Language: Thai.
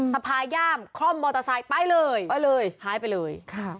พาย่ามคล่อมมอเตอร์ไซค์ไปเลยไปเลยหายไปเลย